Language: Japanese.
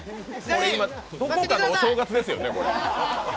今どこかのお正月ですよねこれ？